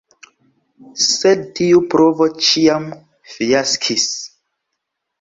Sed tiu provo ĉiam fiaskis.